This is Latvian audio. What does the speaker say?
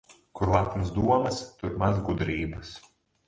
Kur lepnas domas, tur maz gudrības.